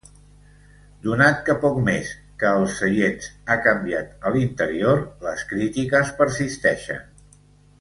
Donat que poc més que els seients ha canviat a l'interior, les crítiques persisteixen.